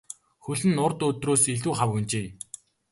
Хөл нь урд өдрөөс илүү хавагнажээ.